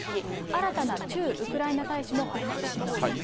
新たな駐ウクライナ大使も発表しています。